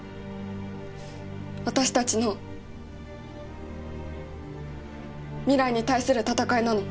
私たちの未来に対する闘いなの。